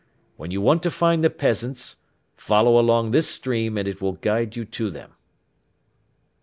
When you want to find the peasants, follow along this stream and it will guide you to them."